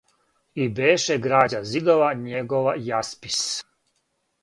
И беше грађа зидова његова јаспис